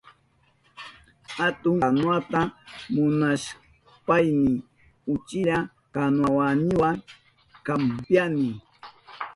Atun kanuwata munashpayni uchilla kanuwayniwa kampyani.